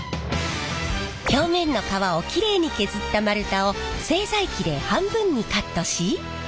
表面の皮をきれいに削った丸太を製材機で半分にカットし。